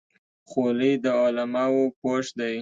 خولۍ د علماو پوښ دی.